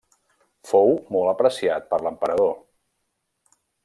Fou molt apreciat per l'emperador.